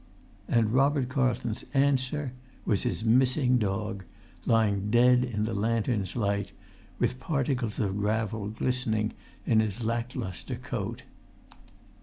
And Robert Carlton's "answer" was his missing dog, lying dead in the lantern's light, with particles of gravel glistening in his lacklustre coat.